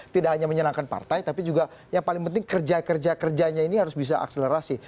tidak hanya menyenangkan partai tapi juga yang paling penting kerja kerja kerjanya ini harus bisa akselerasi